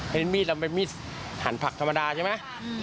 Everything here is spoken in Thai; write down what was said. เป็นมีดเราเป็นมีดหันผักธรรมดาใช่ไหม